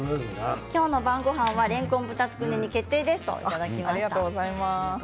今日の晩ごはんはれんこん豚つくねに決定ですといただきました。